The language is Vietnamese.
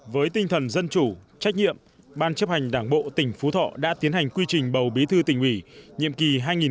với tinh thần dân chủ trách nhiệm ban chấp hành đảng bộ tỉnh phú thọ đã tiến hành quy trình bầu bí thư tỉnh ủy nhiệm kỳ hai nghìn hai mươi hai nghìn hai mươi năm